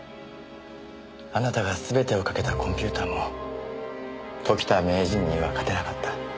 あなたが全てをかけたコンピューターも時田名人には勝てなかった。